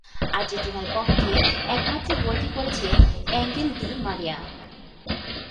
আর্জেন্টিনার পক্ষে একমাত্র গোলটি করেছিলেন এঙ্গেল ডি মারিয়া।